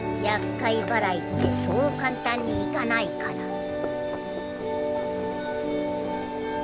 やっかい払いってそう簡単にいかないから。